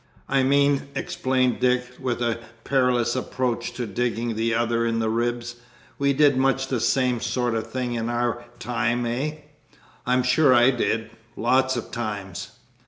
"I mean," explained Dick, with a perilous approach to digging the other in the ribs, "we did much the same sort of thing in our time, eh? I'm sure I did lots of times!"